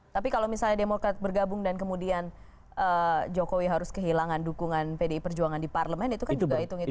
tapi kalau misalnya demokrat bergabung dan kemudian jokowi harus kehilangan dukungan pdi perjuangan di parlemen itu kan juga hitung hitungan